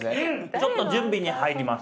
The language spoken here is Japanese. ちょっと準備に入ります。